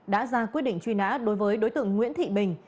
đã ra quyết định truy nã đối với đối tượng nguyễn thị bình